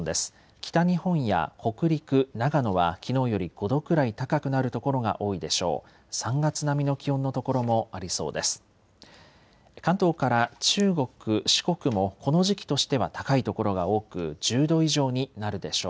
北日本や北陸、長野はきのうより５度くらい高くなる所が多いでしょう。